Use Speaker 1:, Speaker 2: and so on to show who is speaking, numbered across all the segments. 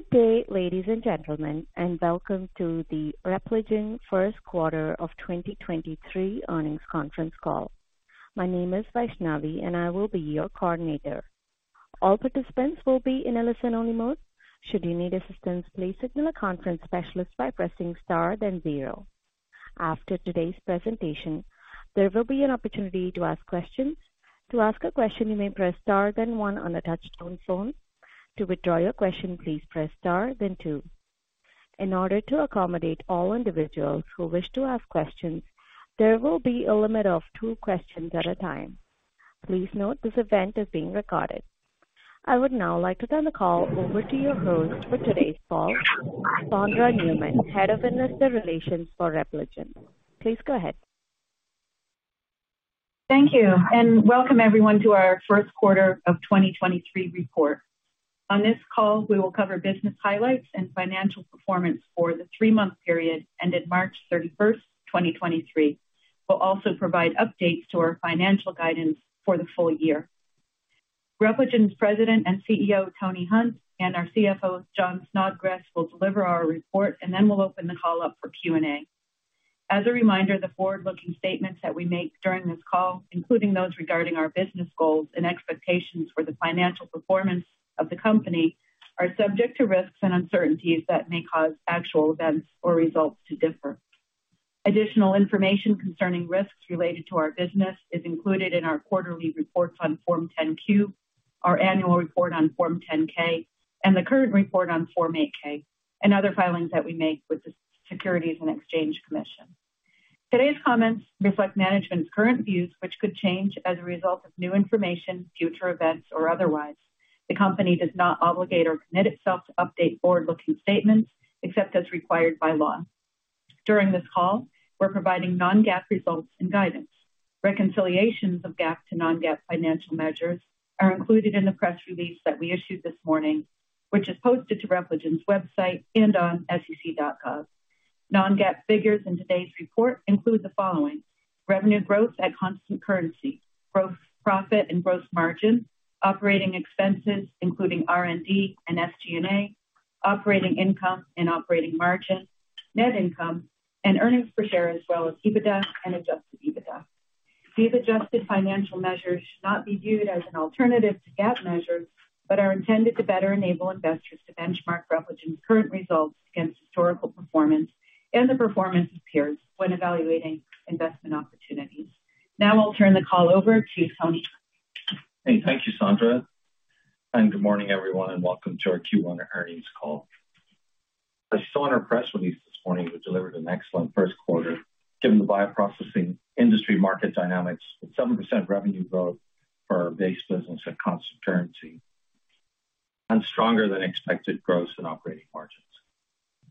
Speaker 1: Good day, ladies and gentlemen, and welcome to the Repligen first quarter of 2023 earnings conference call. My name is Vaishnavi, and I will be your coordinator. All participants will be in listen-only mode. Should you need assistance, please signal a conference specialist by pressing Star then zero. After today's presentation, there will be an opportunity to ask questions. To ask a question, you may press Star then one on a touch-tone phone. To withdraw your question, please press Star then two. In order to accommodate all individuals who wish to ask questions, there will be a limit of two questions at a time. Please note this event is being recorded. I would now like to turn the call over to your host for today's call, Sondra Newman, Head of Investor Relations for Repligen. Please go ahead.
Speaker 2: Thank you, welcome everyone to our 1st quarter of 2023 report. On this call, we will cover business highlights and financial performance for the 3-month period ended March 31st, 2023. We'll also provide updates to our financial guidance for the full year. Repligen's President and CEO, Tony Hunt, and our CFO, Jon Snodgress, will deliver our report, and then we'll open the call up for Q&A. As a reminder, the forward-looking statements that we make during this call, including those regarding our business goals and expectations for the financial performance of the company, are subject to risks and uncertainties that may cause actual events or results to differ. Additional information concerning risks related to our business is included in our quarterly reports on Form 10-Q, our annual report on Form 10-K and the current report on Form 8-K and other filings that we make with the Securities and Exchange Commission. Today's comments reflect management's current views, which could change as a result of new information, future events or otherwise. The company does not obligate or commit itself to update forward-looking statements except as required by law. During this call, we're providing non-GAAP results and guidance. Reconciliations of GAAP to non-GAAP financial measures are included in the press release that we issued this morning, which is posted to Repligen's website and on sec.gov. Non-GAAP figures in today's report include the following: revenue growth at constant currency, gross profit and gross margin, operating expenses, including R&D and SG&A, operating income and operating margin, net income and earnings per share, as well as EBITDA and adjusted EBITDA. These adjusted financial measures should not be viewed as an alternative to GAAP measures, but are intended to better enable investors to benchmark Repligen's current results against historical performance and the performance of peers when evaluating investment opportunities. Now I'll turn the call over to Tony.
Speaker 3: Hey. Thank you, Sondra, and good morning, everyone, and welcome to our Q1 earnings call. As you saw in our press release this morning, we delivered an excellent first quarter given the bioprocessing industry market dynamics with 7% revenue growth for our base business at constant currency and stronger than expected gross and operating margins.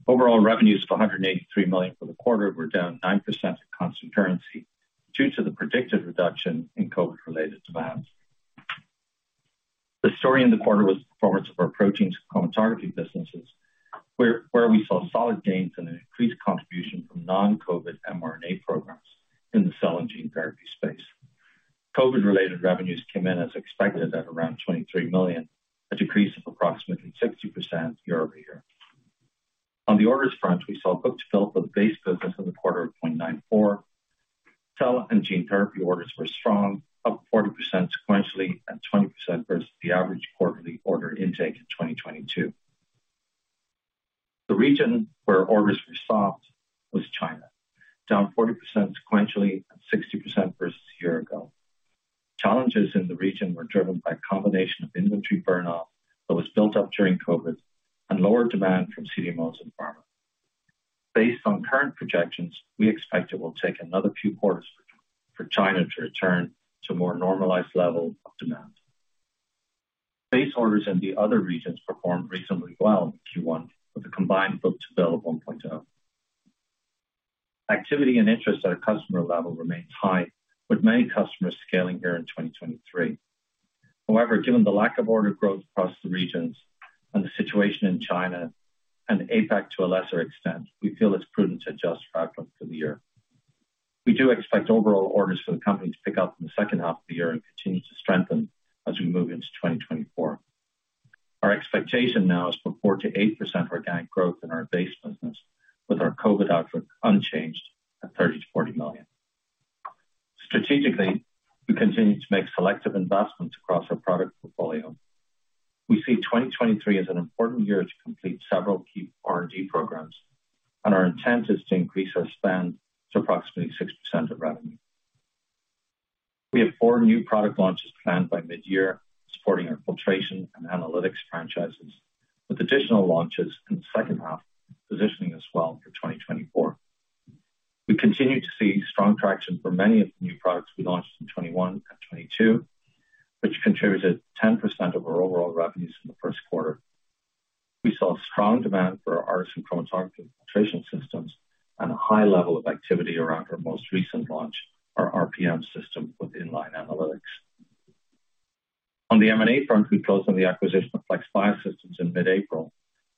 Speaker 3: Overall revenues of $183 million for the quarter were down 9% at constant currency due to the predicted reduction in COVID-related demands. The story in the quarter was the performance of our proteins chromatography businesses, where we saw solid gains and an increased contribution from non-COVID mRNA programs in the cell and gene therapy space. COVID-related revenues came in as expected at around $23 million, a decrease of approximately 60% year-over-year. On the orders front, we saw book-to-bill for the base business in the quarter of 0.94. Cell and gene therapy orders were strong, up 40% sequentially and 20% versus the average quarterly order intake in 2022. The region where orders were soft was China, down 40% sequentially and 60% versus a year ago. Challenges in the region were driven by a combination of inventory burn-off that was built up during COVID and lower demand from CDMOs and pharma. Based on current projections, we expect it will take another few quarters for China to return to a more normalized level of demand. Base orders in the other regions performed reasonably well in Q1 with a combined book-to-bill of 1.0. Activity and interest at a customer level remains high, with many customers scaling here in 2023. However, given the lack of order growth across the regions and the situation in China and APAC to a lesser extent, we feel it's prudent to adjust for outlook for the year. We do expect overall orders for the company to pick up in the second half of the year and continue to strengthen as we move into 2024. Our expectation now is for 4%-8% organic growth in our base business with our COVID outlook unchanged at $30 million-$40 million. Strategically, we continue to make selective investments across our product portfolio. We see 2023 as an important year to complete several key R&D programs, and our intent is to increase our spend to approximately 6% of revenue. We have four new product launches planned by mid-year, supporting our filtration and analytics franchises, with additional launches in the second half, positioning us well for 2024. We continue to see strong traction for many of the new products we launched in 2021 and 2022, which contributed 10% of our overall revenues in the first quarter. We saw strong demand for our ARTeSYN chromatography filtration systems and a high level of activity around our most recent launch, our RPM System with inline analytics. On the M&A front, we closed on the acquisition of FlexBiosys in mid-April,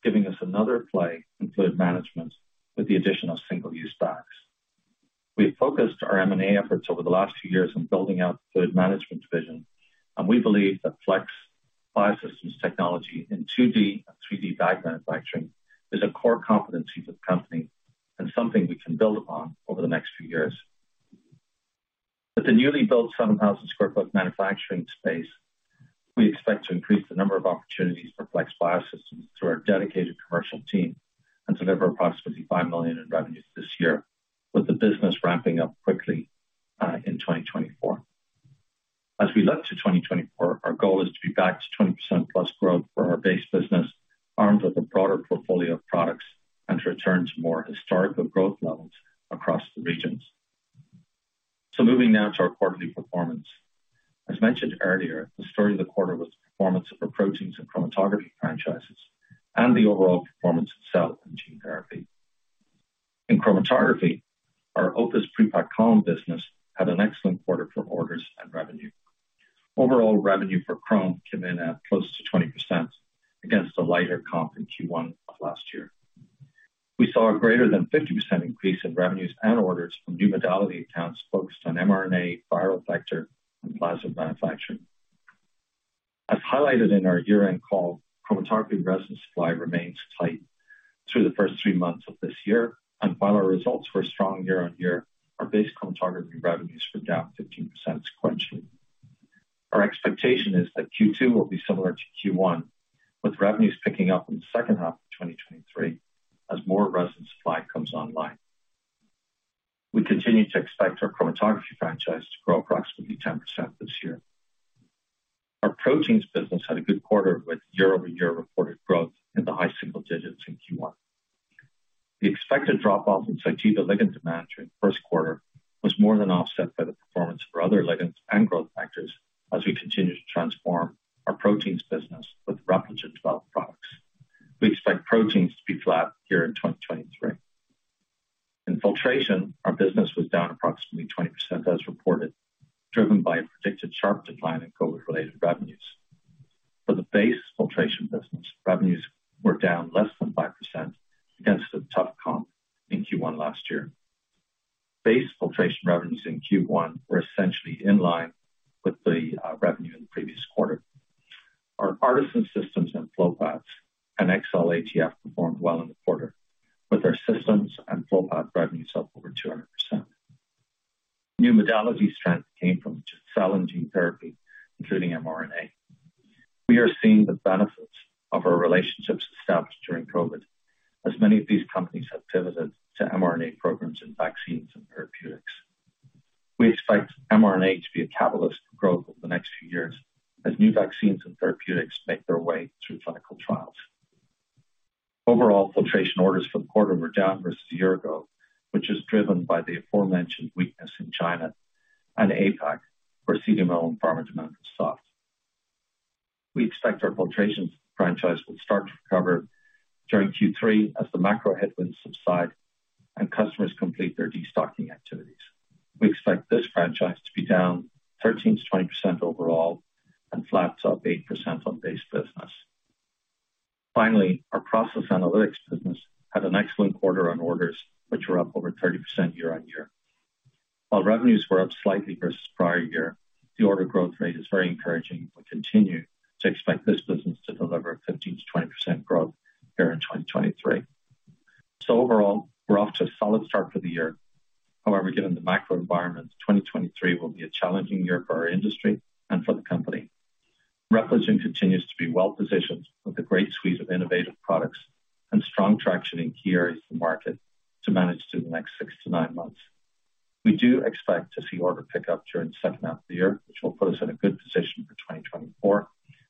Speaker 3: giving us another play in fluid management with the addition of single-use bags. We have focused our M&A efforts over the last few years on building out good management vision, we believe that FlexBiosys technology in 2D and 3D bio manufacturing is a core competency for the company and something we can build upon over the next few years. With the newly built 7,000 sq ft manufacturing space, we expect to increase the number of opportunities for FlexBiosys through our dedicated commercial team and deliver approximately $5 million in revenues this year, with the business ramping up quickly in 2024. We look to 2024, our goal is to be back to 20% plus growth for our base business, armed with a broader portfolio of products and to return to more historical growth levels across the regions. Moving now to our quarterly performance. Mentioned earlier, the story of the quarter was the performance of our proteins and chromatography franchises and the overall performance of cell and gene therapy. In chromatography, our OPUS Pre-packed Column business had an excellent quarter for orders and revenue. Overall revenue for chrome came in at close to 20% against a lighter comp in Q1 of last year. We saw a greater than 50% increase in revenues and orders from new modality accounts focused on mRNA, viral vector and plasma manufacturing. Highlighted in our year-end call, chromatography residence supply remains tight through the first three months of this year. While our results were strong year-on-year, our base chromatography revenues were down 15% sequentially. Our expectation is that Q2 will be similar to Q1, with revenues picking up in the second half of 2023 as more Repligen supply comes online. We continue to expect our chromatography franchise to grow approximately 10% this year. Our proteins business had a good quarter with year-over-year reported growth in the high single digits in Q1. The expected drop-off in Cytiva ligand demand during the first quarter was more than offset by the performance of our other ligands and growth factors as we continue to transform our proteins business with Repligen developed products. We expect proteins to be flat here in 2023. In filtration, our business was down approximately 20% as reported, driven by a predicted sharp decline in COVID-related revenues. For the base filtration business, revenues were down less than 5% against a tough comp in Q1 last year. Base filtration revenues in Q1 were essentially in line with the revenue in the previous quarter. Our ARTeSYN systems and Flow Paths and XCell ATF performed well in the quarter. With our systems and Flow Path revenues up over 200%. New modality strength came from cell and gene therapy, including mRNA. We are seeing the benefits of our relationships established during COVID, as many of these companies have pivoted to mRNA programs in vaccines and therapeutics. We expect mRNA to be a catalyst for growth over the next few years as new vaccines and therapeutics make their way through clinical trials. Filtration orders for the quarter were down versus a year ago, which is driven by the aforementioned weakness in China and APAC, where CDMO and pharma demand have softened. We expect our filtration franchise will start to recover during Q3 as the macro headwinds subside and customers complete their destocking activities. We expect this franchise to be down 13%-20% overall and flat to up 8% on base business. Our process analytics business had an excellent quarter on orders, which were up over 30% year-on-year. While revenues were up slightly versus prior year, the order growth rate is very encouraging. We continue to expect this business to deliver a 15%-20% growth here in 2023. Overall, we're off to a solid start for the year. However, given the macro environment, 2023 will be a challenging year for our industry and for the company. Repligen continues to be well-positioned with a great suite of innovative products and strong traction in key areas of the market to manage through the next 6-9 months. We do expect to see order pick up during the second half of the year, which will put us in a good position for 2024.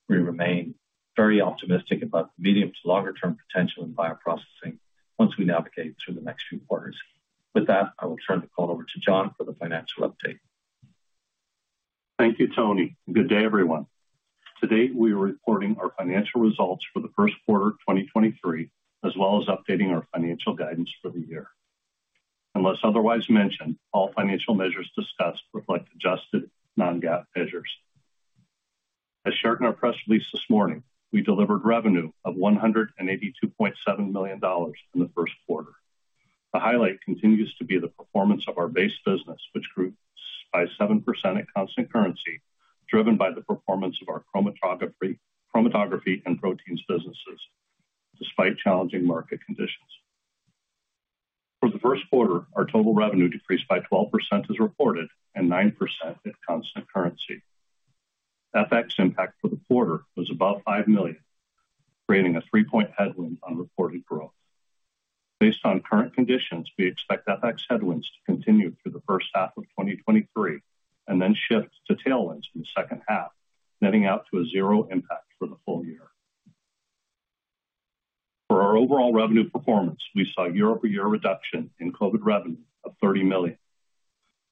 Speaker 3: We remain very optimistic about the medium to longer term potential in bioprocessing once we navigate through the next few quarters. With that, I will turn the call over to Jon for the financial update.
Speaker 4: Thank you, Tony. Good day, everyone. Today, we are reporting our financial results for the first quarter of 2023, as well as updating our financial guidance for the year. Unless otherwise mentioned, all financial measures discussed reflect adjusted non-GAAP measures. As shared in our press release this morning, we delivered revenue of $182.7 million in the first quarter. The highlight continues to be the performance of our base business, which grew by 7% at constant currency, driven by the performance of our chromatography and proteins businesses despite challenging market conditions. For the first quarter, our total revenue decreased by 12% as reported and 9% at constant currency. FX impact for the quarter was about $5 million, creating a three-point headwind on reported growth. Based on current conditions, we expect FX headwinds to continue through the first half of 2023 and then shift to tailwinds in the second half, netting out to a 0 impact for the full year. For our overall revenue performance, we saw year-over-year reduction in COVID revenue of $30 million.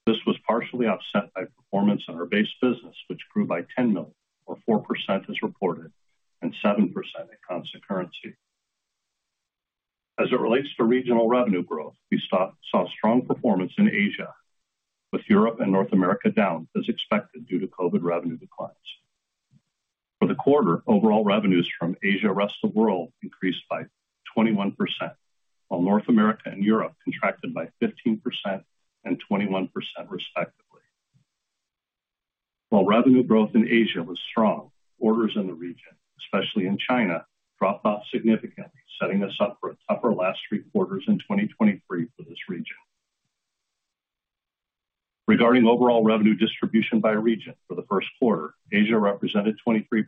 Speaker 4: This was partially offset by performance on our base business, which grew by $10 million or 4% as reported, and 7% at constant currency. As it relates to regional revenue growth, we saw strong performance in Asia, with Europe and North America down as expected due to COVID revenue declines. For the quarter, overall revenues from Asia, rest of world increased by 21%, while North America and Europe contracted by 15% and 21% respectively. While revenue growth in Asia was strong, orders in the region, especially in China, dropped off significantly, setting us up for a tougher last three quarters in 2023 for this region. Regarding overall revenue distribution by region for the first quarter, Asia represented 23%,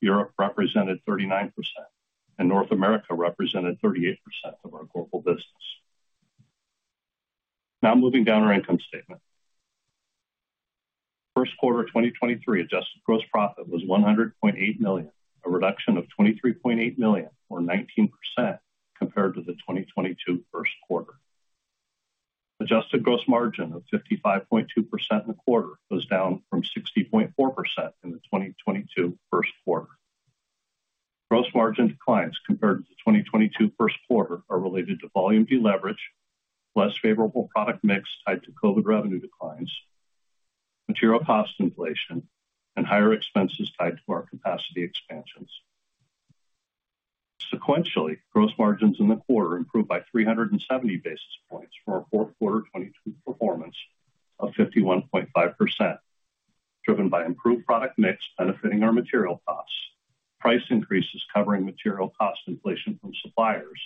Speaker 4: Europe represented 39%, and North America represented 38% of our global business. Moving down our income statement. First quarter of 2023 adjusted gross profit was $100.8 million, a reduction of $23.8 million or 19% compared to the 2022 first quarter. Adjusted gross margin of 55.2% in the quarter was down from 60.4% in the 2022 first quarter. Gross margin declines compared to the 2022 first quarter are related to volume deleverage, less favorable product mix tied to COVID revenue declines, material cost inflation, and higher expenses tied to our capacity expansions. Sequentially, gross margins in the quarter improved by 370 basis points from our fourth quarter 2022 performance of 51.5%, driven by improved product mix benefiting our material costs, price increases covering material cost inflation from suppliers,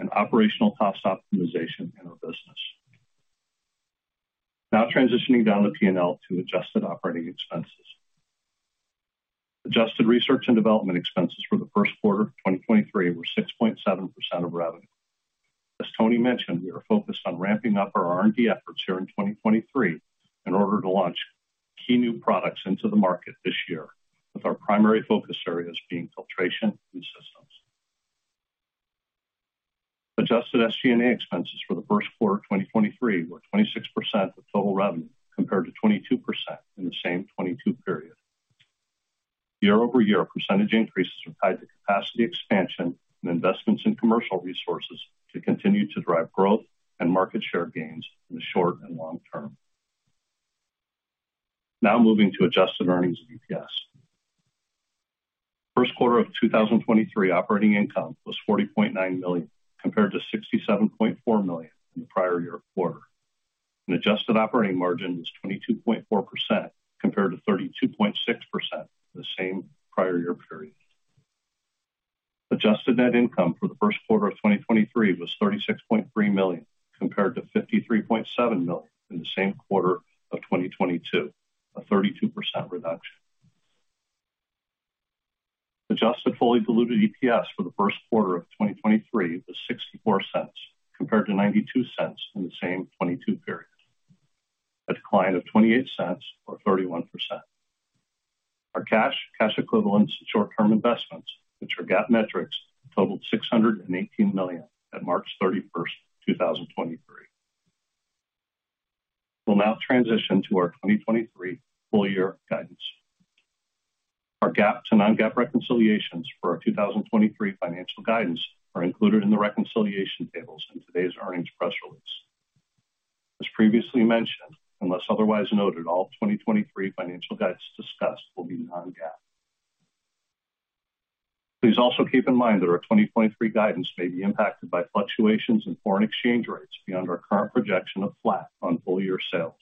Speaker 4: and operational cost optimization in our business. Transitioning down the P&L to adjusted operating expenses. Adjusted research and development expenses for the first quarter of 2023 were 6.7% of revenue. As Tony mentioned, we are focused on ramping up our R&D efforts here in 2023 in order to launch key new products into the market this year, with our primary focus areas being filtration and systems. Adjusted SG&A expenses for the first quarter of 2023 were 26% of total revenue, compared to 22% in the same 2022 period. Year-over-year percentage increases are tied to capacity expansion and investments in commercial resources to continue to drive growth and market share gains in the short and long term. Moving to adjusted earnings and EPS. First quarter of 2023 operating income was $40.9 million, compared to $67.4 million in the prior year quarter, and adjusted operating margin was 22.4% compared to 32.6% for the same prior year period. Adjusted net income for the first quarter of 2023 was $36.3 million compared to $53.7 million in the same quarter of 2022, a 32% reduction. Adjusted fully diluted EPS for the 1st quarter of 2023 was $0.64 compared to $0.92 in the same 2022 period. A decline of $0.28 or 31%. Our cash equivalents, and short-term investments, which are GAAP metrics, totaled $618 million at March 31st, 2023. We'll now transition to our 2023 full year guidance. Our GAAP to non-GAAP reconciliations for our 2023 financial guidance are included in the reconciliation tables in today's earnings press release. As previously mentioned, unless otherwise noted, all 2023 financial guidance discussed will be non-GAAP. Please also keep in mind that our 2023 guidance may be impacted by fluctuations in foreign exchange rates beyond our current projection of flat on full year sales,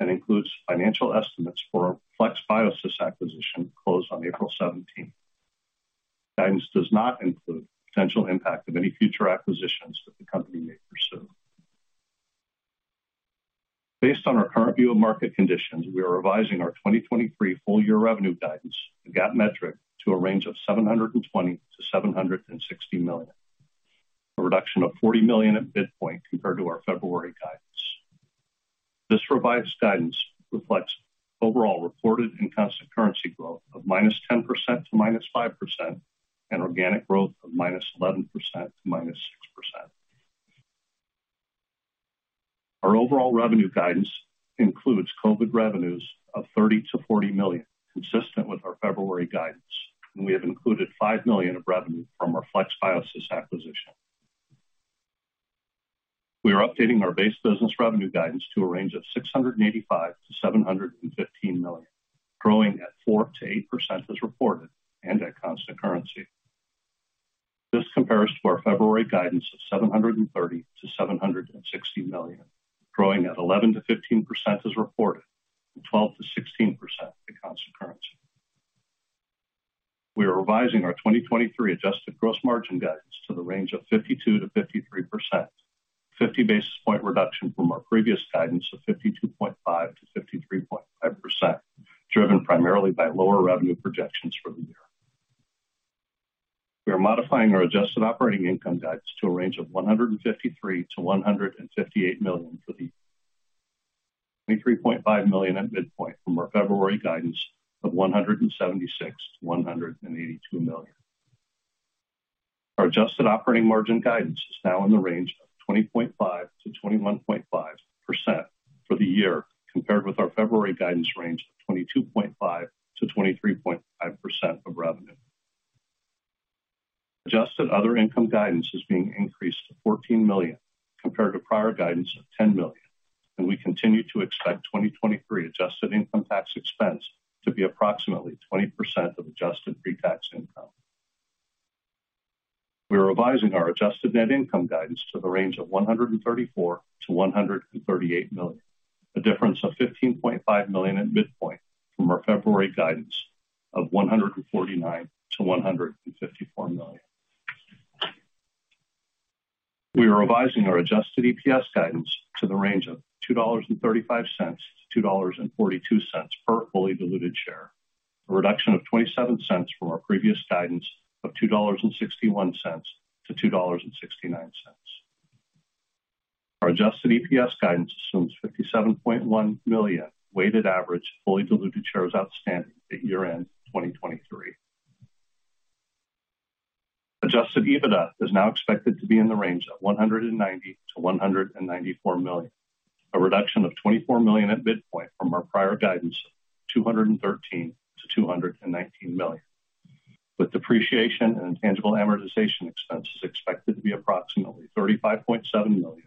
Speaker 4: and includes financial estimates for our FlexBiosys acquisition closed on April 17th. Guidance does not include potential impact of any future acquisitions that the company may pursue. Based on our current view of market conditions, we are revising our 2023 full year revenue guidance, the GAAP metric, to a range of $720 million-$760 million. A reduction of $40 million at midpoint compared to our February guidance. This revised guidance reflects overall reported and constant currency growth of -10% to -5% and organic growth of -11% to -6%. Our overall revenue guidance includes COVID revenues of $30 million-$40 million, consistent with our February guidance, and we have included $5 million of revenue from our FlexBiosys acquisition. We are updating our base business revenue guidance to a range of $685 million-$715 million, growing at 4%-8% as reported and at constant currency. This compares to our February guidance of $730 million-$760 million, growing at 11%-15% as reported and 12%-16% at constant currency. We are revising our 2023 adjusted gross margin guidance to the range of 52%-53%, a 50 basis point reduction from our previous guidance of 52.5%-53.5%, driven primarily by lower revenue projections for the year. We are modifying our adjusted operating income guidance to a range of $153 million-$158 million for the year. $23.5 million at midpoint from our February guidance of $176 million-$182 million. Our adjusted operating margin guidance is now in the range of 20.5%-21.5% for the year, compared with our February guidance range of 22.5%-23.5% of revenue. Adjusted other income guidance is being increased to $14 million compared to prior guidance of $10 million. We continue to expect 2023 adjusted income tax expense to be approximately 20% of adjusted pre-tax income. We are revising our adjusted net income guidance to the range of $134 million-$138 million, a difference of $15.5 million at midpoint from our February guidance of $149 million-$154 million. We are revising our adjusted EPS guidance to the range of $2.35-$2.42 per fully diluted share, a reduction of $0.27 from our previous guidance of $2.61-$2.69. Our adjusted EPS guidance assumes 57.1 million weighted average fully diluted shares outstanding at year-end 2023. Adjusted EBITDA is now expected to be in the range of $190 million-$194 million, a reduction of $24 million at midpoint from our prior guidance of $213 million-$219 million, with depreciation and intangible amortization expenses expected to be approximately $35.7 million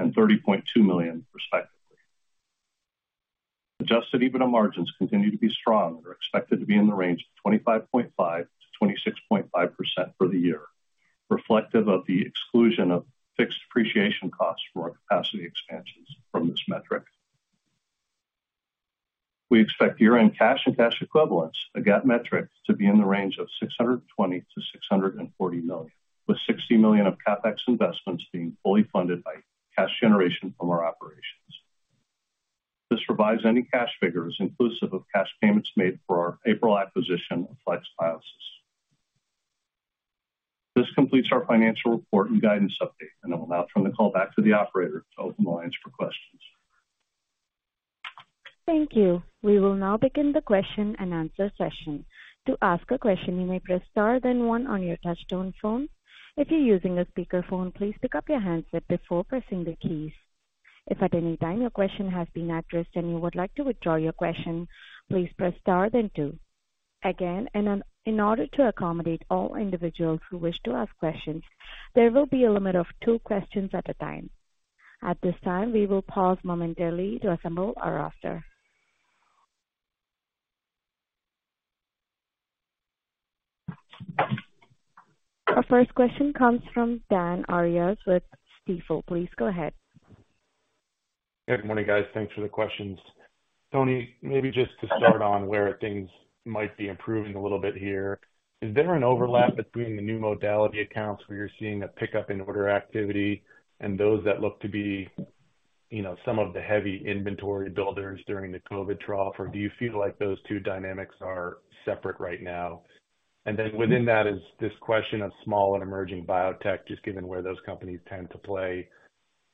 Speaker 4: and $30.2 million, respectively. Adjusted EBITDA margins continue to be strong and are expected to be in the range of 25.5%-26.5% for the year, reflective of the exclusion of fixed depreciation costs for our capacity expansions from this metric. We expect year-end cash and cash equivalents, a GAAP metric, to be in the range of $620 million-$640 million, with $60 million of CapEx investments being fully funded by cash generation from our operations. This provides any cash figures inclusive of cash payments made for our April acquisition of FlexBiosys. This completes our financial report and guidance update, and I'll now turn the call back to the operator to open the lines for questions.
Speaker 1: Thank you. We will now begin the question-and-answer session. To ask a question, you may press star then one on your touch-tone phone. If you're using a speakerphone, please pick up your handset before pressing the keys. If at any time your question has been addressed and you would like to withdraw your question, please press star then two. Again, in order to accommodate all individuals who wish to ask questions, there will be a limit of two questions at a time. At this time, we will pause momentarily to assemble our roster. Our first question comes from Dan Arias with Stifel. Please go ahead.
Speaker 5: Good morning, guys. Thanks for the questions. Tony, maybe just to start on where things might be improving a little bit here. Is there an overlap between the new modality accounts where you're seeing a pickup in order activity and those that look to be, you know, some of the heavy inventory builders during the COVID trough, or do you feel like those two dynamics are separate right now? Within that is this question of small and emerging biotech, just given where those companies tend to play.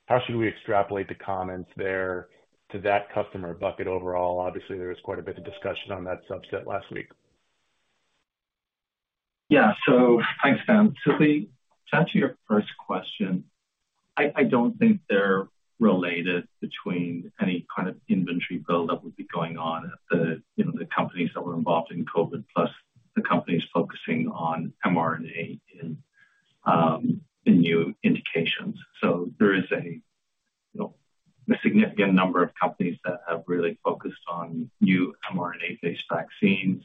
Speaker 5: How should we extrapolate the comments there to that customer bucket overall? Obviously, there was quite a bit of discussion on that subset last week.
Speaker 3: Thanks, Dan. To answer your first question, I don't think they're related between any kind of inventory build that would be going on at the, you know, the companies that were involved in COVID plus the companies focusing on mRNA and the new indications. There is a, you know, a significant number of companies that have really focused on new mRNA-based vaccines,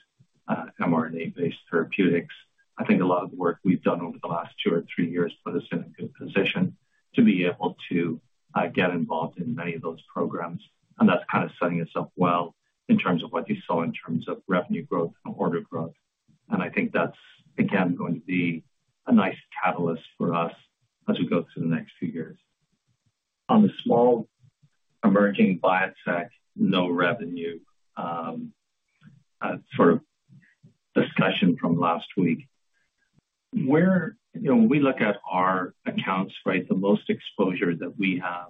Speaker 3: mRNA-based therapeutics. I think a lot of the work we've done over the last two or three years put us in a good position to be able to get involved in many of those programs, and that's kind of setting us up well in terms of what you saw in terms of revenue growth and order growth. I think that's, again, going to be a nice catalyst for us as we go through the next few years. On the small emerging biotech, no revenue, sort of discussion from last week. You know, when we look at our accounts, right, the most exposure that we have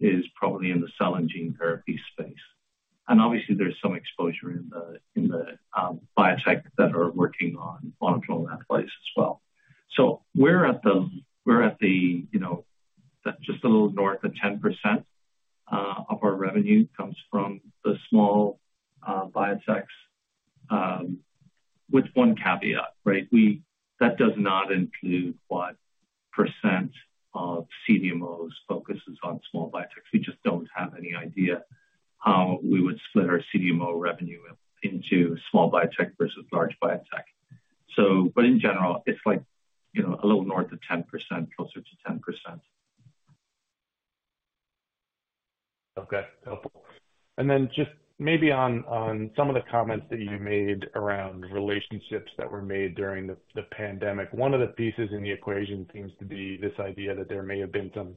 Speaker 3: is probably in the cell and gene therapy space. Obviously, there's some exposure in the biotech that are working on monoclonal antibodies as well. We're at the, you know, just a little north of 10% of our revenue comes from the small biotechs with one caveat, right? That does not include what percent of CDMO's focus is on small biotechs. We just don't have any idea how we would split our CDMO revenue into small biotech versus large biotech. But in general, it's like, you know, a little north of 10%, closer to 10%.
Speaker 5: Okay. Helpful. Just maybe on some of the comments that you made around relationships that were made during the pandemic. One of the pieces in the equation seems to be this idea that there may have been some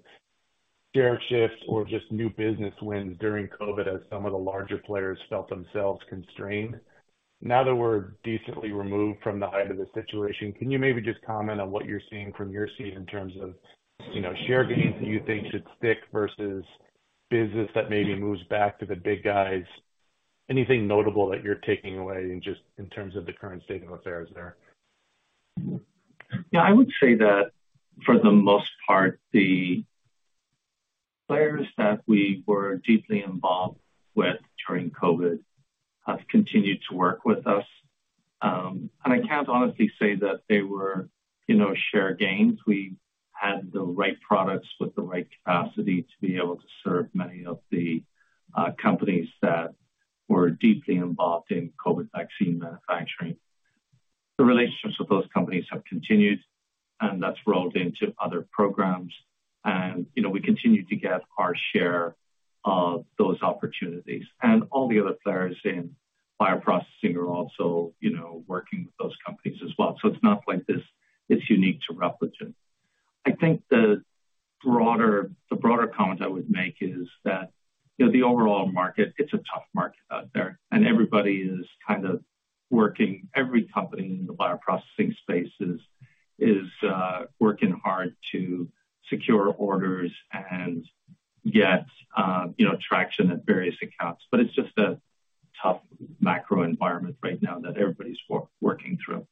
Speaker 5: share shifts or just new business wins during COVID as some of the larger players felt themselves constrained. Now that we're decently removed from the height of the situation, can you maybe just comment on what you're seeing from your seat in terms of, you know, share gains you think should stick versus business that maybe moves back to the big guys? Anything notable that you're taking away in just in terms of the current state of affairs there?
Speaker 6: Yeah. I would say that for the most part, the players that we were deeply involved with during COVID have continued to work with us. I can't honestly say that they were, you know, share gains. We had the right products with the right capacity to be able to serve many of the companies that were deeply involved in COVID vaccine manufacturing. The relationships with those companies have continued, and that's rolled into other programs.
Speaker 4: You know, we continue to get our share of those opportunities. All the other players in bioprocessing are also, you know, working with those companies as well. It's not like this is unique to Repligen. I think the broader comment I would make is that, you know, the overall market, it's a tough market out there, and everybody is kind of working. Every company in the bioprocessing space is working hard to secure orders and get, you know, traction at various accounts. It's just a tough macro environment right now that everybody's working through.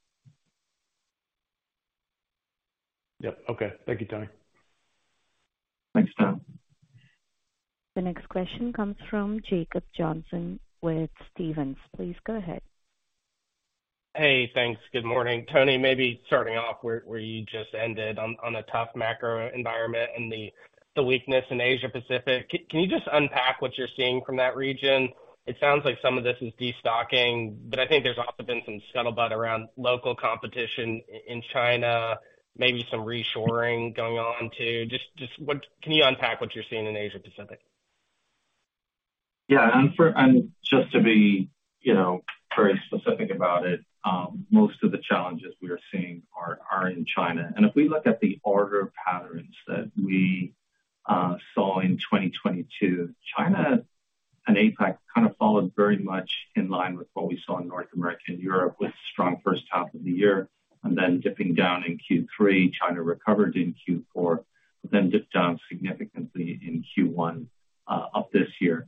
Speaker 5: Yep. Okay. Thank you, Tony.
Speaker 3: Thanks, Dan.
Speaker 1: The next question comes from Jacob Johnson with Stephens. Please go ahead.
Speaker 7: Hey, thanks. Good morning. Tony, maybe starting off where you just ended on a tough macro environment and the weakness in Asia Pacific. Can you just unpack what you're seeing from that region? It sounds like some of this is destocking, but I think there's also been some scuttlebutt around local competition in China, maybe some reshoring going on too. Just what can you unpack what you're seeing in Asia Pacific?
Speaker 3: Yeah. Just to be, you know, very specific about it, most of the challenges we are seeing are in China. If we look at the order patterns that we saw in 2022, China and APAC kind of followed very much in line with what we saw in North America and Europe, with strong first half of the year and then dipping down in Q3. China recovered in Q4, but then dipped down significantly in Q1 of this year.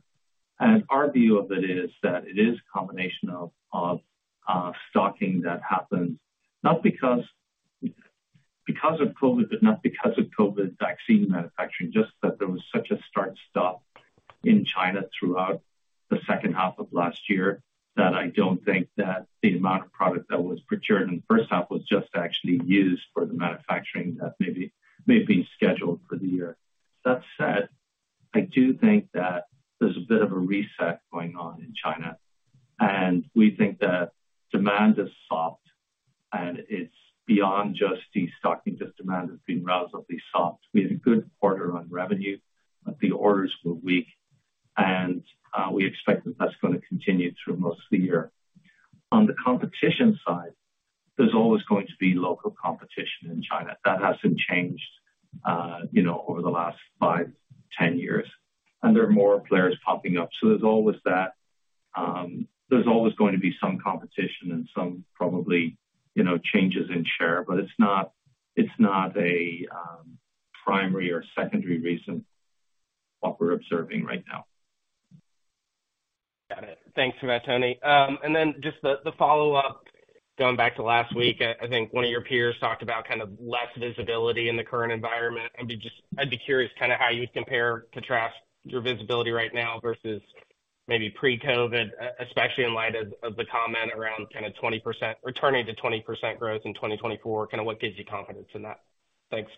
Speaker 3: Our view of it is that it is a combination of stocking that happens, because of COVID, but not because of COVID vaccine manufacturing. Just that there was such a start stop in China throughout the second half of last year that I don't think that the amount of product that was procured in the first half was just actually used for the manufacturing that may be, may have been scheduled for the year. That said, I do think that there's a bit of a reset going on in China, and we think that demand is soft and it's beyond just destocking, just demand has been relatively soft. We had a good quarter on revenue, but the orders were weak and we expect that that's going to continue through most of the year. On the competition side, there's always going to be local competition in China. That hasn't changed, you know, over the last five, 10 years, and there are more players popping up. There's always that. There's always going to be some competition and some probably, you know, changes in share. It's not, it's not a primary or secondary reason what we're observing right now.
Speaker 7: Got it. Thanks for that, Tony. Just the follow-up. Going back to last week, I think one of your peers talked about kind of less visibility in the current environment. I'd be curious kind of how you compare, contrast your visibility right now versus maybe pre-COVID, especially in light of the comment around kind of 20% returning to 20% growth in 2024. Kind of what gives you confidence in that? Thanks.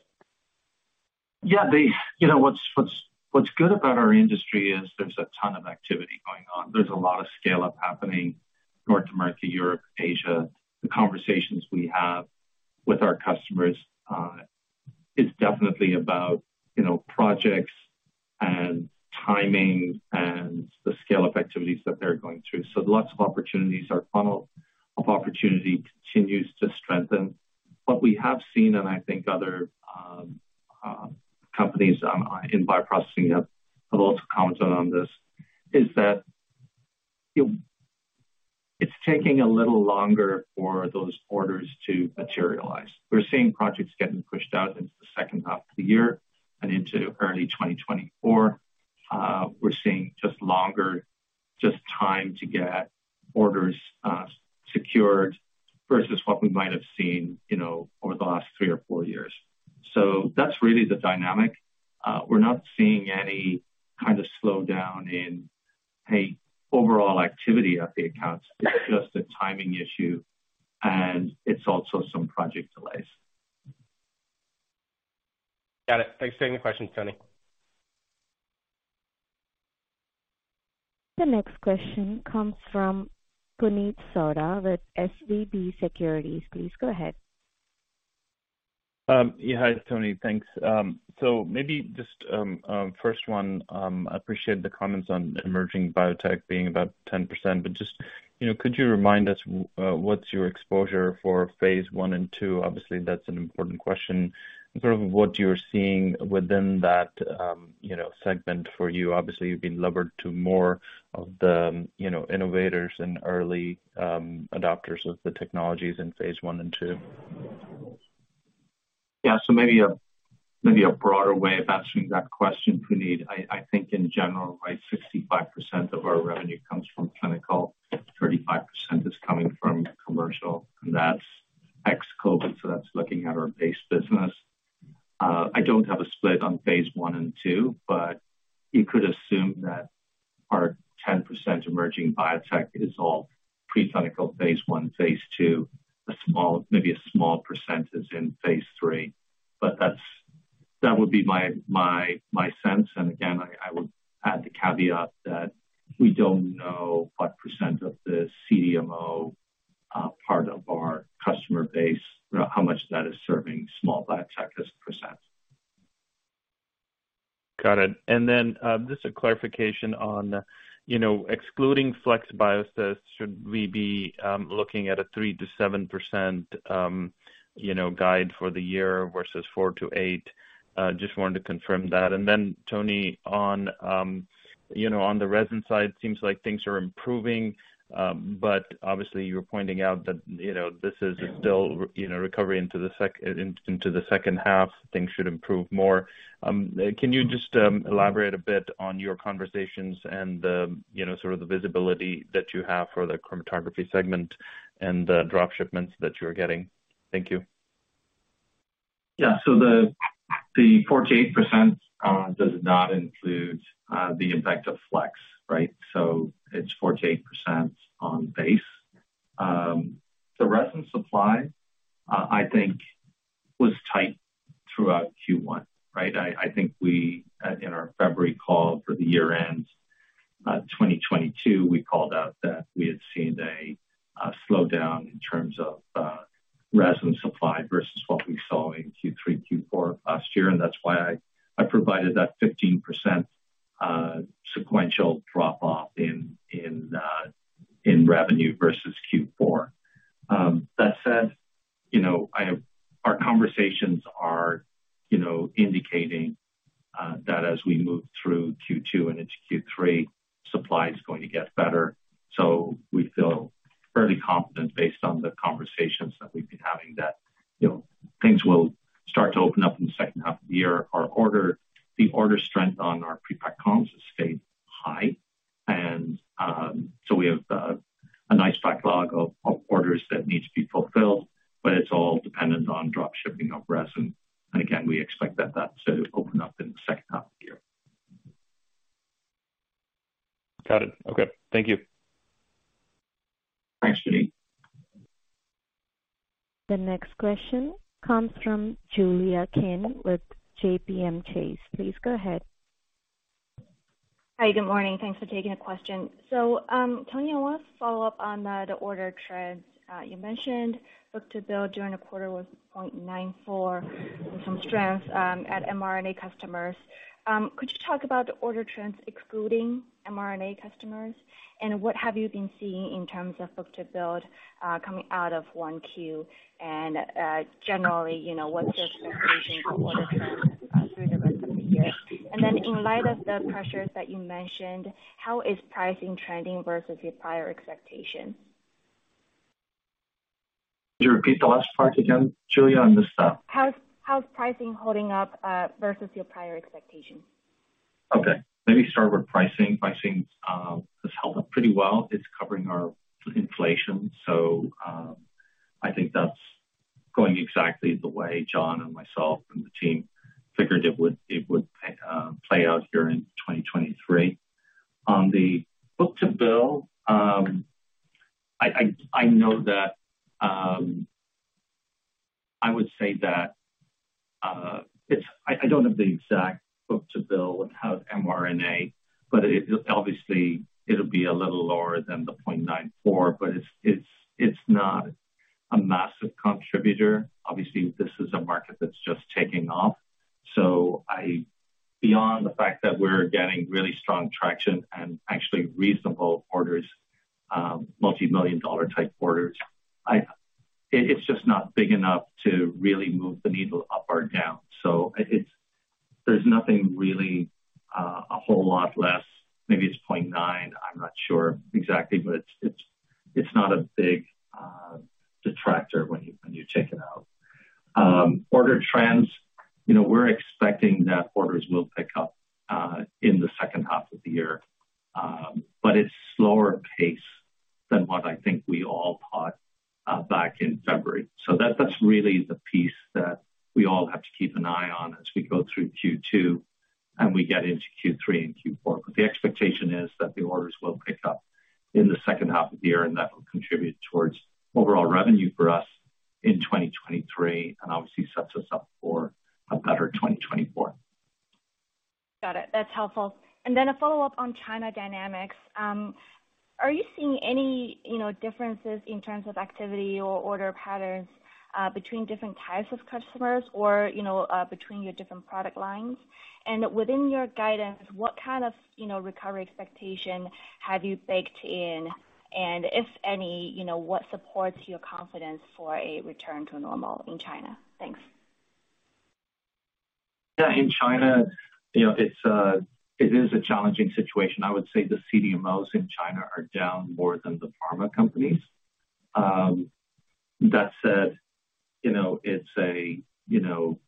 Speaker 3: Yeah. You know, what's good about our industry is there's a ton of activity going on. There's a lot of scale-up happening, North America, Europe, Asia. The conversations we have with our customers is definitely about, you know, projects and timing and the scale-up activities that they're going through. Lots of opportunities. Our funnel of opportunity continues to strengthen. What we have seen, and I think other companies in bioprocessing have also commented on this, is that, you know, it's taking a little longer for those orders to materialize. We're seeing projects getting pushed out into the second half of the year and into early 2024. We're seeing just longer, just time to get orders secured versus what we might have seen, you know, over the last three or four years. That's really the dynamic. We're not seeing any kind of slowdown in, hey, overall activity at the accounts. It's just a timing issue and it's also some project delays.
Speaker 7: Got it. Thanks for taking the question, Tony.
Speaker 1: The next question comes from Puneet Souda with SVB Securities. Please go ahead.
Speaker 8: Yeah. Hi, Tony. Thanks. Maybe just, first one, I appreciate the comments on emerging biotech being about 10%. Just, you know, could you remind us what's your exposure for phaseI and III? Obviously, that's an important question and sort of what you're seeing within that, you know, segment for you. Obviously, you've been levered to more of the, you know, innovators and early, adopters of the technologies in phase I and II.
Speaker 3: Yeah. Maybe a, maybe a broader way of answering that question, Puneet. I think in general, right, 65% of our revenue comes from clinical, 35% is coming from commercial, and that's ex-COVID, so that's looking at our base business. I don't have a split on phase I and II, but you could assume that our 10% emerging biotech is all pre-clinical phase I, phase II, maybe a small percentage in phase III. That would be my, my sense. And again, I would add the caveat that we don't know what percent of the CDMO part of our customer base, you know, how much that is serving small biotech as a percent.
Speaker 8: Got it. Just a clarification on, you know, excluding FlexBiosys, should we be looking at a 3%-7%, you know, guide for the year versus 4%-8%? Just wanted to confirm that. Tony, on, you know, on the resin side, seems like things are improving. Obviously you're pointing out that, you know, this is still, you know, recovering into the second half, things should improve more. Can you just elaborate a bit on your conversations and the, you know, sort of the visibility that you have for the chromatography segment and the drop shipments that you're getting? Thank you.
Speaker 3: The 4%-8% does not include the impact of Flex, right? It's 4%-8% on base. The resin supply, I think was tight throughout Q1, right? I think we in our February call for the year-end 2022, we called out that we had seen a slowdown in terms of resin supply versus what we saw in Q3, Q4 last year, and that's why I provided that 15% sequential drop-off in revenue versus Q4.
Speaker 9: through the rest of the year? In light of the pressures that you mentioned, how is pricing trending versus your prior expectation?
Speaker 3: Could you repeat the last part again, Julia? I missed that.
Speaker 9: How's pricing holding up versus your prior expectation?
Speaker 3: Okay. Let me start with pricing. Pricing has held up pretty well. It's covering our inflation. I think that's going exactly the way Jon Snodgres and myself and the team figured it would play out during 2023. On the book-to-bill, I know that I don't have the exact book-to-bill without mRNA, but it'll obviously it'll be a little lower than the 0.94, but it's not a massive contributor. Obviously, this is a market that's just taking off. Beyond the fact that we're getting really strong traction and actually reasonable orders, multi-million dollar type orders. It's just not big enough to really move the needle up or down. There's nothing really a whole lot less. Maybe it's 0.9. I'm not sure exactly, but it's not a big detractor when you take it out. Order trends. You know, we're expecting that orders will pick up in the second half of the year, but it's slower pace than what I think we all thought back in February. That's really the piece that we all have to keep an eye on as we go through Q2 and we get into Q3 and Q4. The expectation is that the orders will pick up in the second half of the year and that will contribute towards overall revenue for us in 2023 and obviously sets us up for a better 2024.
Speaker 9: Got it. That's helpful. A follow-up on China dynamics. Are you seeing any, you know, differences in terms of activity or order patterns, between different types of customers or, you know, between your different product lines? Within your guidance, what kind of, you know, recovery expectation have you baked in? If any, you know, what supports your confidence for a return to normal in China? Thanks.
Speaker 3: Yeah. In China, you know, it is a challenging situation. I would say the CDMOs in China are down more than the pharma companies. That said, you know, it's a, you know.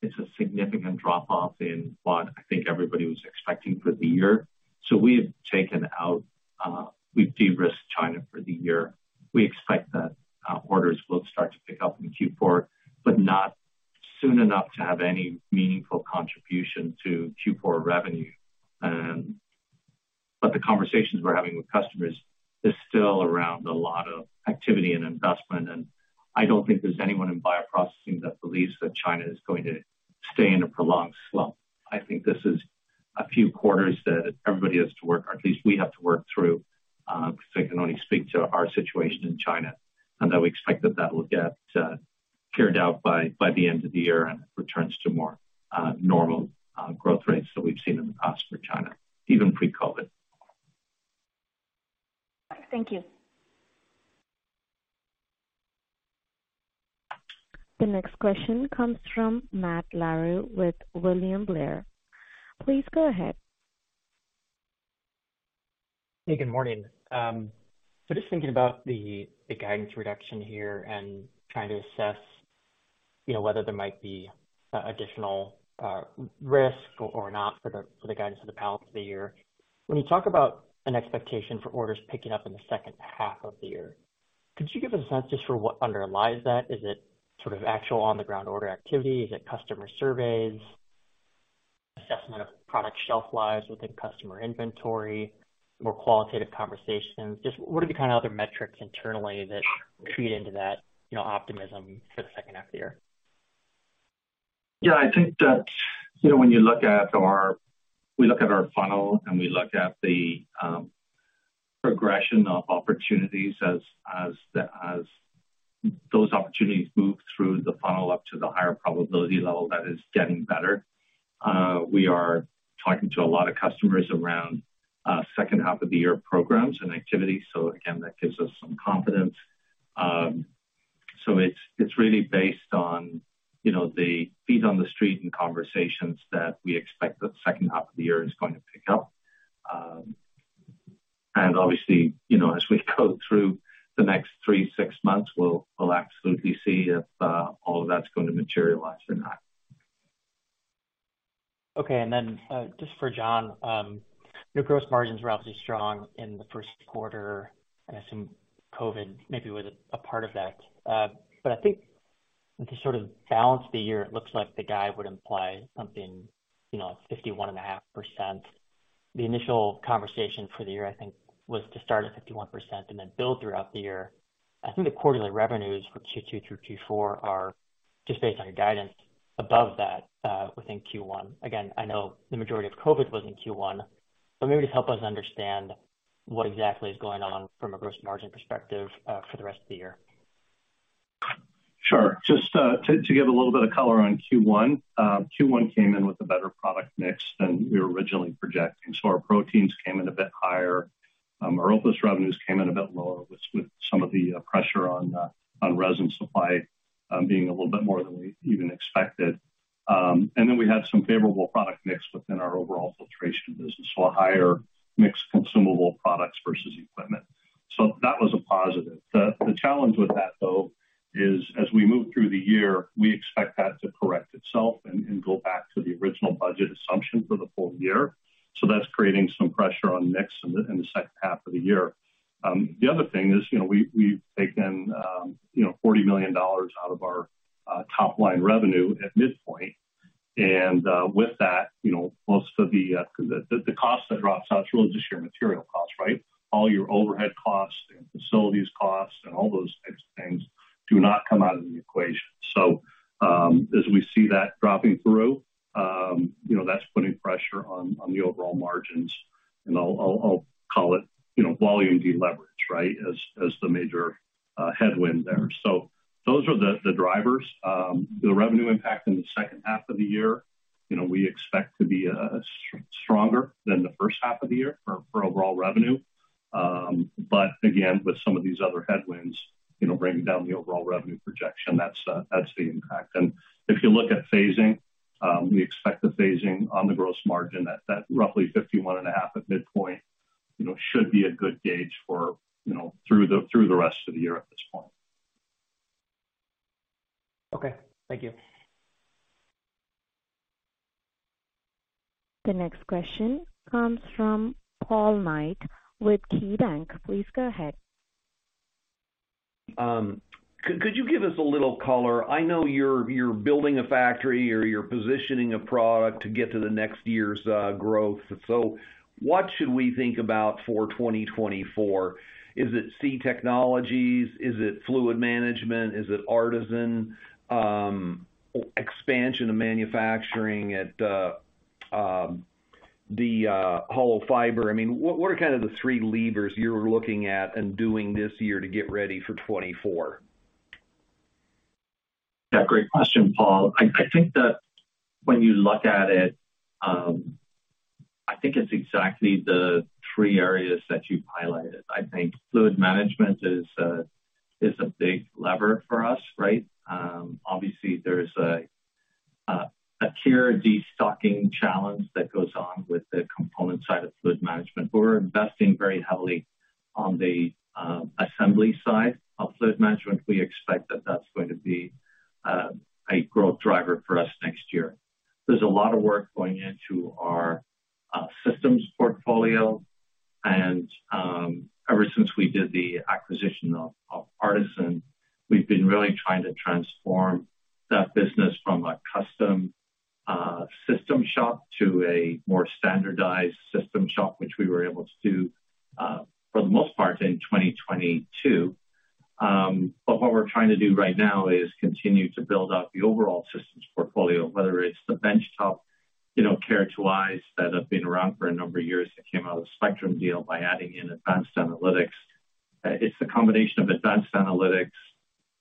Speaker 4: It's a significant drop off in what I think everybody was expecting for the year. We have taken out, we've de-risked China for the year. We expect that, orders will start to pick up in Q4, but not soon enough to have any meaningful contribution to Q4 revenue. The conversations we're having with customers is still around a lot of activity and investment, and I don't think there's anyone in bioprocessing that believes that China is going to stay in a prolonged slump. I think this is a few quarters that everybody has to work, or at least we have to work through, 'cause I can only speak to our situation in China, and that we expect that that will get cleared out by the end of the year and returns to more normal growth rates that we've seen in the past for China, even pre-COVID.
Speaker 9: Thank you.
Speaker 1: The next question comes from Matt Larew with William Blair. Please go ahead.
Speaker 10: Hey, good morning. Just thinking about the guidance reduction here and trying to assess, you know, whether there might be additional risk or not for the guidance of the palette for the year. When you talk about an expectation for orders picking up in the second half of the year, could you give a sense just for what underlies that? Is it sort of actual on the ground order activity? Is it customer surveys, assessment of product shelf lives within customer inventory, more qualitative conversations? Just what are the kind of other metrics internally that feed into that, you know, optimism for the second half of the year?
Speaker 3: Yeah, I think that, you know, when you look at our funnel and we look at the progression of opportunities as those opportunities move through the funnel up to the higher probability level, that is getting better. We are talking to a lot of customers around second half of the year programs and activities. Again, that gives us some confidence. It's really based on, you know, the feet on the street and conversations that we expect the second half of the year is going to pick up. Obviously, you know, as we go through the next three to six months, we'll absolutely see if all of that's going to materialize or not.
Speaker 10: Okay. Just for John, new gross margins were obviously strong in the first quarter. I assume COVID maybe was a part of that. I think to sort of balance the year, it looks like the guide would imply something, you know, at 51.5%. The initial conversation for the year, I think, was to start at 51% and then build throughout the year. I think the quarterly revenues for Q2 through Q4 are just based on your guidance above that within Q1. Again, I know the majority of COVID was in Q1, maybe just help us understand what exactly is going on from a gross margin perspective for the rest of the year.
Speaker 4: Sure. Just to give a little bit of color on Q1. Q1 came in with a better product mix than we were originally projecting. Our proteins came in a bit higher. Our OPUS revenues came in a bit lower with some of the pressure on resin supply being a little bit more than we even expected. We had some favorable product mix within our overall filtration business. A higher mix consumable products versus equipment. That was a positive. The challenge with that though is as we move through the year, we expect that to correct itself and go back to the original budget assumption for the full year. That's creating some pressure on mix in the second half of the year. The other thing is, you know, we've taken, you know, $40 million out of our top line revenue at midpoint. With that, you know, most of the, 'cause the cost that drops out is really just your material costs, right. All your overhead costs and facilities costs and all those types of things do not come out of the equation. As we see that dropping through, you know, that's putting pressure on the overall margins. I'll call it, you know, volume deleverage, right. As the major headwind there. Those are the drivers. The revenue impact in the second half of the year, you know, we expect to be stronger than the first half of the year for overall revenue. Again, with some of these other headwinds, you know, bringing down the overall revenue projection, that's the impact. If you look at phasing, we expect the phasing on the gross margin at that roughly 51.5% at midpoint, you know, should be a good gauge for, you know, through the rest of the year at this point.
Speaker 10: Okay. Thank you.
Speaker 1: The next question comes from Paul Knight with KeyBank. Please go ahead.
Speaker 11: Could you give us a little color? I know you're building a factory or you're positioning a product to get to the next year's growth. What should we think about for 2024? Is it C Technologies? Is it fluid management? Is it ARTeSYN? Expansion of manufacturing at the hollow fiber? I mean, what are kind of the three levers you're looking at and doing this year to get ready for 2024?
Speaker 4: Yeah, great question, Paul. I think that when you look at it, I think it's exactly the three areas that you've highlighted. I think fluid management is a big lever for us, right? Obviously there's a clear destocking challenge that goes on with the component side of fluid management, but we're investing very heavily-
Speaker 3: On the assembly side of fluid management, we expect that that's going to be a growth driver for us next year. There's a lot of work going into our systems portfolio. Ever since we did the acquisition of ARTeSYN, we've been really trying to transform that business from a custom system shop to a more standardized system shop, which we were able to do for the most part in 2022. What we're trying to do right now is continue to build out the overall systems portfolio, whether it's the benchtop, you know, character wise that have been around for a number of years that came out of the Spectrum deal by adding in advanced analytics. It's the combination of advanced analytics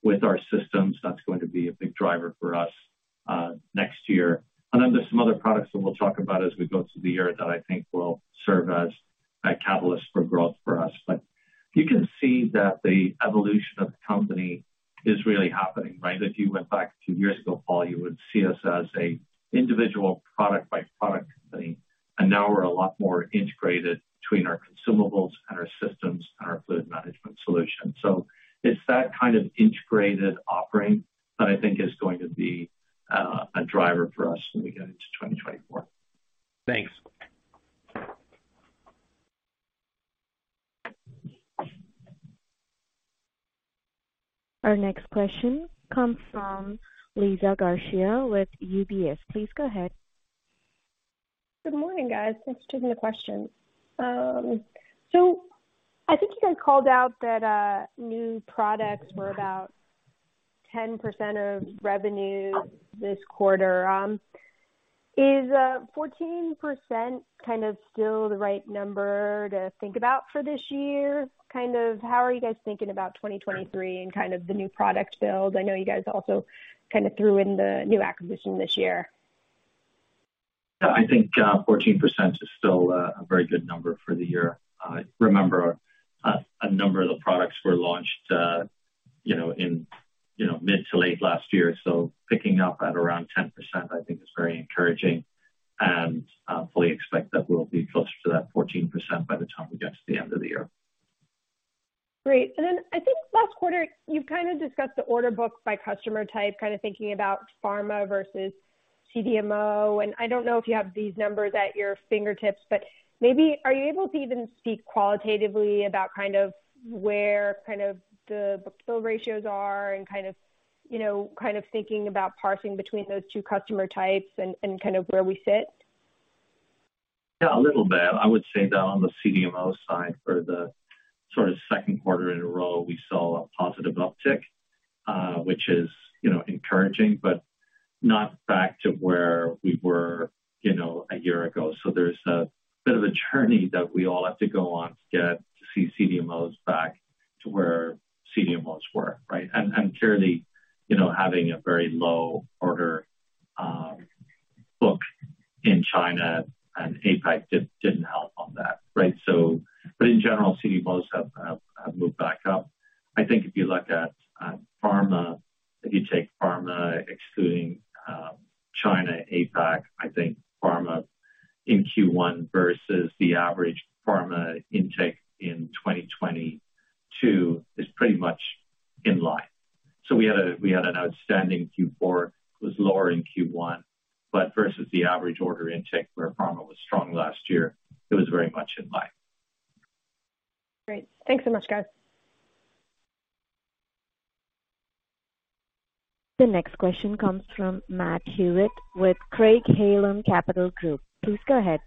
Speaker 3: with our systems that's going to be a big driver for us next year. Then there's some other products that we'll talk about as we go through the year that I think will serve as a catalyst for growth for us. You can see that the evolution of the company is really happening, right? If you went back two years ago, Paul, you would see us as an individual product by product company, and now we're a lot more integrated between our consumables and our systems and our fluid management solution. It's that kind of integrated offering that I think is going to be a driver for us when we get into 2024.
Speaker 11: Thanks.
Speaker 1: Our next question comes from Liza Garcia with UBS. Please go ahead.
Speaker 12: Good morning, guys. Thanks for taking the questions. I think you guys called out that new products were about 10% of revenue this quarter. Is 14% kind of still the right number to think about for this year? Kind of how are you guys thinking about 2023 and kind of the new product build? I know you guys also kind of threw in the new acquisition this year.
Speaker 3: Yeah. I think, 14% is still a very good number for the year. Remember, a number of the products were launched, you know, in, you know, mid to late last year, so picking up at around 10% I think is very encouraging. Fully expect that we'll be closer to that 14% by the time we get to the end of the year.
Speaker 12: Great. I think last quarter you've kind of discussed the order book by customer type, kind of thinking about pharma versus CDMO. I don't know if you have these numbers at your fingertips, but maybe are you able to even speak qualitatively about kind of where kind of the book-to-bill ratios are and kind of, you know, kind of thinking about parsing between those two customer types and kind of where we sit?
Speaker 3: Yeah, a little bit. I would say that on the CDMO side for the sort of 2nd quarter in a row, we saw a positive uptick, which is, you know, encouraging, but not back to where we were, you know, a year ago. There's a bit of a journey that we all have to go on to get to see CDMOs back to where CDMOs were, right? Clearly, you know, having a very low order book in China and APAC didn't help on that, right? But in general, CDMOs have moved back up. I think if you look at pharma, if you take pharma excluding China, APAC, I think pharma in Q1 versus the average pharma intake in 2022 is pretty much in line. We had an outstanding Q4, was lower in Q1, but versus the average order intake where pharma was strong last year, it was very much in line.
Speaker 12: Great. Thanks so much, guys.
Speaker 1: The next question comes from Matt Hewitt with Craig-Hallum Capital Group. Please go ahead.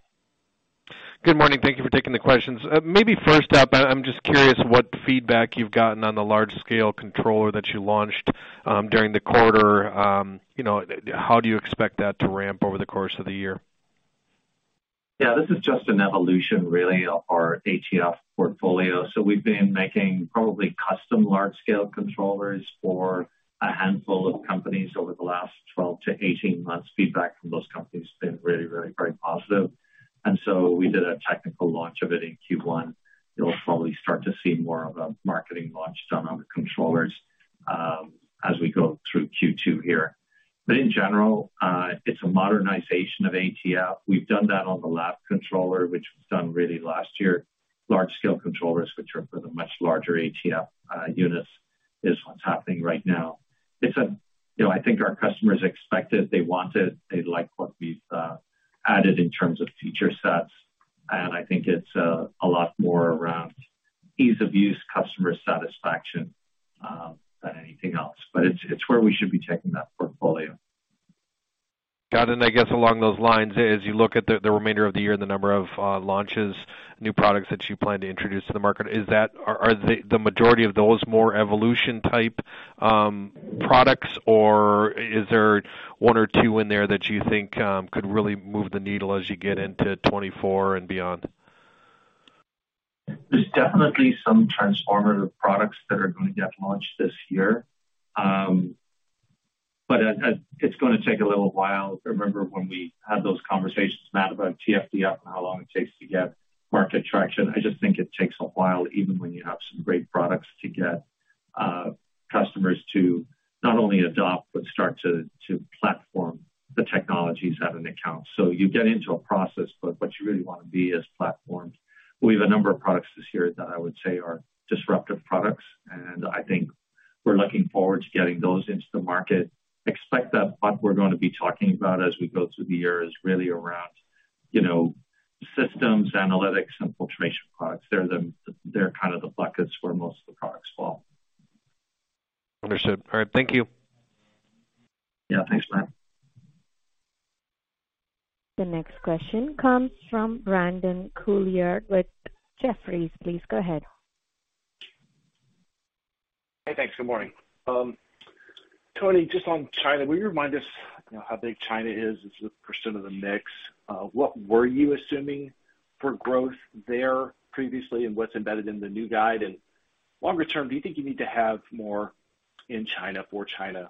Speaker 13: Good morning. Thank you for taking the questions. maybe first up, I'm just curious what feedback you've gotten on the large scale controller that you launched, during the quarter. you know, how do you expect that to ramp over the course of the year?
Speaker 3: Yeah, this is just an evolution really of our ATF portfolio. We've been making probably custom large scale controllers for a handful of companies over the last 12-18 months. Feedback from those companies has been really very positive. We did a technical launch of it in Q1. You'll probably start to see more of a marketing launch done on the controllers as we go through Q2 here. In general, it's a modernization of ATF. We've done that on the lab controller, which was done really last year. Large scale controllers, which are for the much larger ATF units, is what's happening right now. You know, I think our customers expect it, they want it. They like what we've added in terms of feature sets, I think it's a lot more around ease of use, customer satisfaction than anything else. It's where we should be taking that portfolio.
Speaker 13: Got it. I guess along those lines, as you look at the remainder of the year and the number of launches, new products that you plan to introduce to the market, are the majority of those more evolution type products, or is there one or two in there that you think could really move the needle as you get into 2024 and beyond?
Speaker 3: There's definitely some transformative products that are going to get launched this year. It's gonna take a little while. Remember when we had those conversations, Matt, about TFDF and how long it takes to get market traction. I just think it takes a while, even when you have some great products to get customers to not only adopt but start to platform the technologies at an account. You get into a process, but what you really want to be is platformed. We have a number of products this year that I would say are disruptive products. I think we're looking forward to getting those into the market. Expect that what we're gonna be talking about as we go through the year is really around, you know, systems, analytics, and filtration products. They're kind of the buckets where most of the products fall. Understood. All right, thank you. Yeah, thanks, Matt.
Speaker 1: The next question comes from Brandon Couillard with Jefferies. Please go ahead.
Speaker 14: Hey, thanks. Good morning. Tony, just on China, will you remind us, you know, how big China is, is the pursuit of the mix? What were you assuming for growth there previously, and what's embedded in the new guide? Longer term, do you think you need to have more in China for China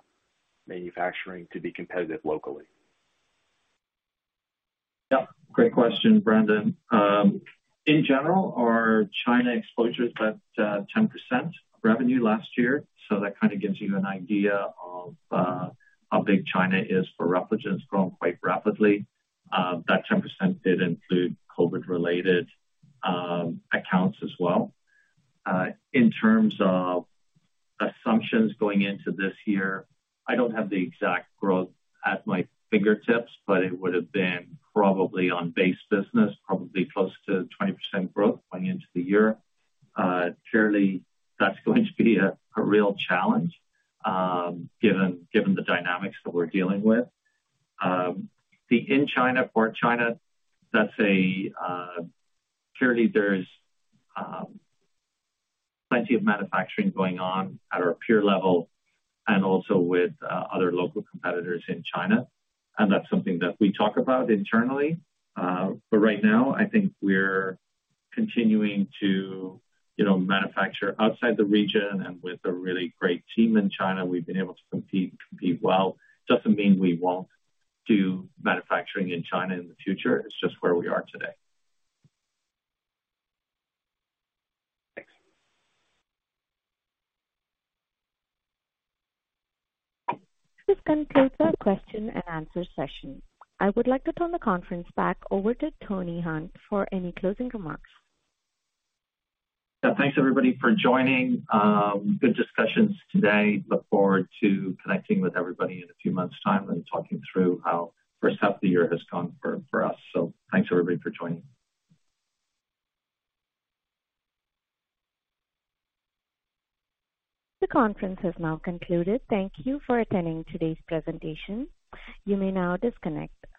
Speaker 14: manufacturing to be competitive locally?
Speaker 3: Yeah, great question, Brandon. In general, our China exposure is about 10% revenue last year, that kind of gives you an idea of how big China is for Repligen. It's grown quite rapidly. That 10% did include COVID-related accounts as well. In terms of assumptions going into this year, I don't have the exact growth at my fingertips, it would have been probably on base business, probably close to 20% growth going into the year. Clearly that's going to be a real challenge given the dynamics that we're dealing with. The in China for China. Clearly, there's plenty of manufacturing going on at our peer level and also with other local competitors in China, that's something that we talk about internally. Right now, I think we're continuing to, you know, manufacture outside the region, and with a really great team in China, we've been able to compete well. Doesn't mean we won't do manufacturing in China in the future. It's just where we are today.
Speaker 14: Thanks.
Speaker 1: This concludes our question and answer session. I would like to turn the conference back over to Tony Hunt for any closing remarks.
Speaker 3: Yeah. Thanks, everybody, for joining. Good discussions today. Look forward to connecting with everybody in a few months' time and talking through how first half of the year has gone for us. Thanks, everybody, for joining.
Speaker 1: The conference has now concluded. Thank you for attending today's presentation. You may now disconnect.